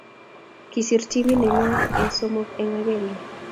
Kisiir teamit nenyo eng somok eng agenge